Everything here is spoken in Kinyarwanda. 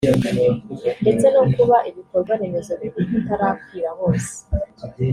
ndetse no kuba ibikorwa remezo bitarakwira hose